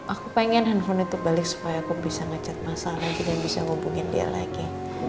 aku pengen handphonenya terbalik supaya aku bisa ngechat mas al lagi dan bisa hubungin dia lagi